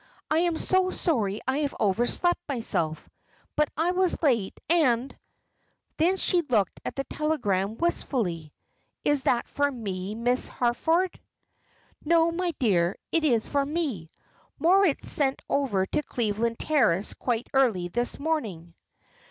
I am so sorry I have overslept myself; but I was late, and " Then she looked at the telegram wistfully. "Is that for me, Miss Harford?" "No, my dear, it is for me. Moritz sent over to Cleveland Terrace quite early this morning.